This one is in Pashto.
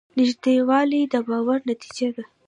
نږدېوالی د باور نتیجه ده.